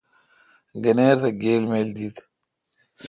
گنِر تہ گِل مِل دیت۔